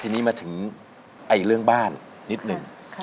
ทีนี้มาถึงเรื่องบ้านนิดหนึ่ง